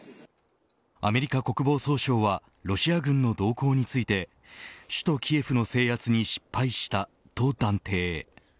アメリカ国防総省はロシア軍の動向について首都キエフの制圧に失敗したと断定。